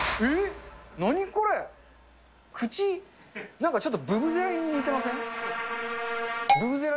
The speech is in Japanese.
口、なんかちょっと、ブブゼラに似てません？